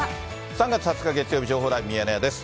３月２０日月曜日、情報ライブミヤネ屋です。